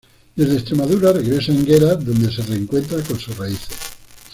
Desde Extremadura regresa a Enguera, donde se reencuentra con sus raíces.